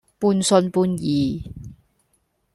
半信半疑